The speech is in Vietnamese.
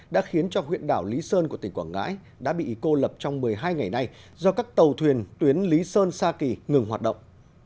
đã khiến cho huyện đảo lý sơn của tỉnh quảng ngãi đã bị cô lập trong một mươi hai ngày nay do các tàu thuyền tuyến lý sơn sa kỳ ngừng hoạt động